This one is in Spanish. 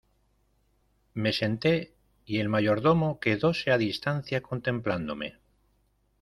me senté, y el mayordomo quedóse a distancia contemplándome.